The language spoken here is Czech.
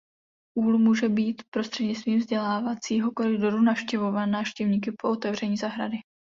Úl může být prostřednictvím vzdělávacího koridoru navštěvován návštěvníky po otevření zahrady.